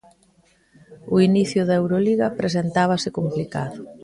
O inicio da Euroliga presentábase complicado.